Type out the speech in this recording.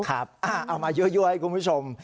เอามายั่วให้คุณผู้ชม